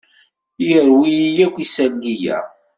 Yerwi-yi akk isali-a.